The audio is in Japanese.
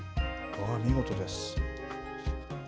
見事です。